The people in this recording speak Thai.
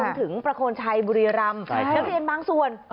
ถึงประโคนชัยบุรีรำนักเรียนบางส่วน